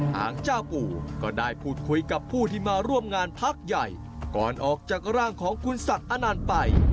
ทางเจ้าปู่ก็ได้พูดคุยกับผู้ที่มาร่วมงานพักใหญ่ก่อนออกจากร่างของคุณศักดิ์อนานไป